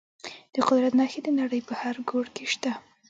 د قدرت نښې د نړۍ په هر ګوټ کې شته.